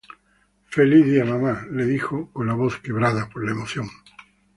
"Feliz día, mamá," le dijo con la voz quebrada por la emoción.